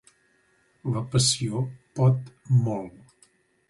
La passió pot molt.